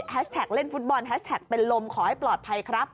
แท็กเล่นฟุตบอลแฮชแท็กเป็นลมขอให้ปลอดภัยครับ